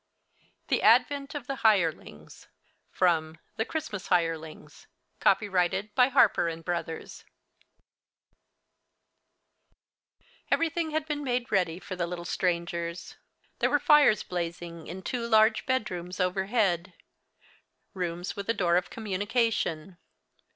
THE ADVENT OF THE 'HIRELINGS' From 'The Christmas Hirelings': copyrighted by Harper and Brothers Everything had been made ready for the little strangers. There were fires blazing in two large bedrooms overhead rooms with a door of communication.